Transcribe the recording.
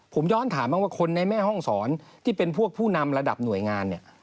ผมย้อนถามว่าคนในแม่ห้องสอนที่เป็นพวกผู้นำระดับหน่วยงาน